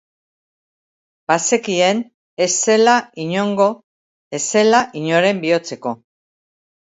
Bazekien ez zela inongo, ez zela inoren bihotzeko.